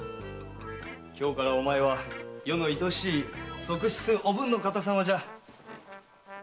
今日からお前は余の愛しい側室おぶんの方様じゃ。